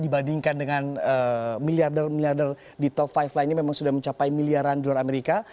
dibandingkan dengan miliarder miliarder di top lima lainnya memang sudah mencapai miliaran dolar amerika